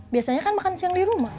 biasanya kan makan siang di rumah